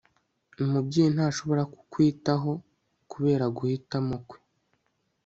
umubyeyi ntashobora kukwitaho kubera guhitamo kwe